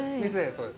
そうです。